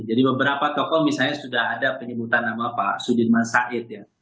jadi beberapa tokoh misalnya sudah ada penyebutan nama pak sudirman said ya